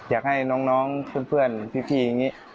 อยากให้น้องเพื่อนพี่อย่างนี้